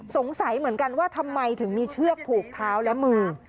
สงสัยเหมือนกันว่าทำไมถึงมีเชือกผูกเท้าและมือ